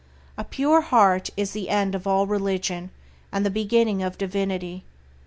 A pure heart is the end of all religion and the beginning of divinity.